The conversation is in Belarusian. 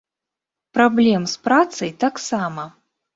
Праблем з працай таксама.